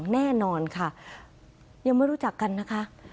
แน่นอนค่ะยังไม่รู้จักกันนะคะ